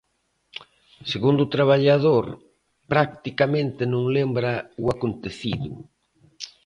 Segundo o traballador, practicamente non lembra o acontecido.